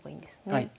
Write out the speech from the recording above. はい。